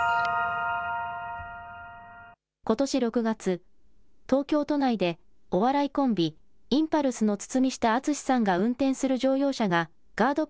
ことし６月、東京都内でお笑いコンビ、インパルスの堤下敦さんが運転する乗用車がガード